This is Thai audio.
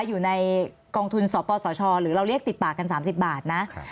อยู่ในกองทุนสปสชหรือเราเรียกติดปากกัน๓๐บาทนะ